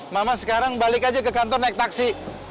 mama sekarang balik aja ke kantor naik taksi